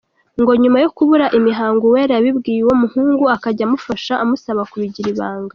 Ngo nyuma yo kubura imihango Uwera yabibwiye uwo muhungu, akajya amufasha amusaba kubigira ibanga.